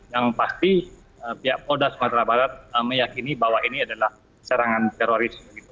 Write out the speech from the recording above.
yang pasti pihak polda sumatera barat meyakini bahwa ini adalah serangan teroris